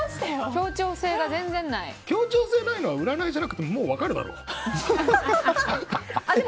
協調性ないのは占いじゃなくてもう分かるだろ。